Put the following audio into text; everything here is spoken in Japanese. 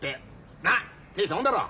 大したもんだろ？